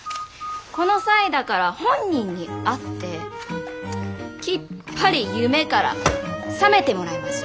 この際だから本人に会ってきっぱり夢から覚めてもらいましょ。